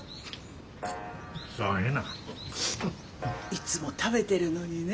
いつも食べてるのにね。